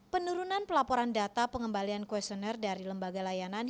penurunan pelaporan data pengembalian questionnaire dari lembaga layanan